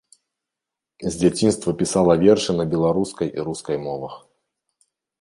З дзяцінства пісала вершы на беларускай і рускай мовах.